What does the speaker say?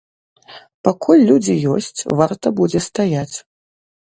Пакуль людзі ёсць, варта будзе стаяць.